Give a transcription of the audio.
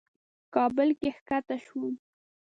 کابل کې کښته شوم.